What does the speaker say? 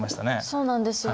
そうなんですよ。